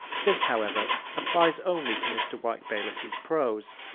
This, however, applies only to Mr. Wyke Bayliss's prose.